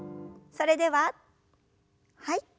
それでははい。